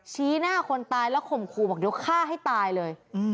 ชี้หน้าคนตายแล้วข่มขู่บอกเดี๋ยวฆ่าให้ตายเลย